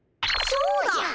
そうだ！